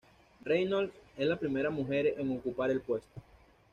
Reynolds es la primera mujer en ocupar el puesto.